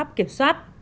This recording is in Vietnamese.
biện pháp kiểm soát